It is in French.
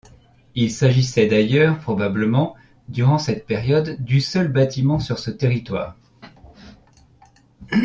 Il s'agissait d'ailleurs probablement durant cette période du seul bâtiment sur ce territoire.